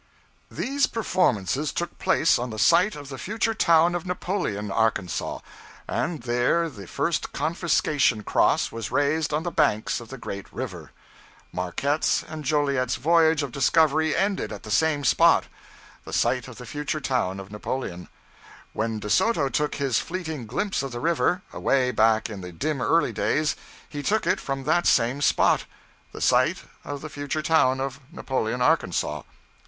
These performances took place on the site of the future town of Napoleon, Arkansas, and there the first confiscation cross was raised on the banks of the great river. Marquette's and Joliet's voyage of discovery ended at the same spot the site of the future town of Napoleon. When De Soto took his fleeting glimpse of the river, away back in the dim early days, he took it from that same spot the site of the future town of Napoleon, Arkansas.